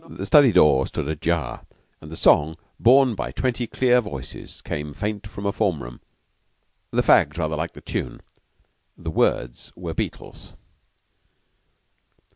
The study door stood ajar; and the song, borne by twenty clear voices, came faint from a form room. The fags rather liked the tune; the words were Beetle's.